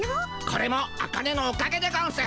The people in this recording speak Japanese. これもアカネのおかげでゴンス。